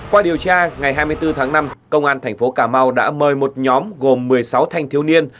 qua điều tra ngày hai mươi bốn tháng năm công an thành phố cà mau đã mời một nhóm gồm một mươi sáu thanh thiếu niên